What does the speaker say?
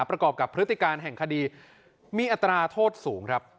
ประกอบกับพฤติการแห่งคดีมีอัตราโทษสูงครับ